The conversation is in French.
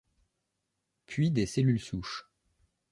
Puis des cellules souches.